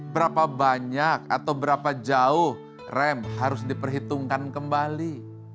berapa banyak atau berapa jauh rem harus diperhitungkan kembali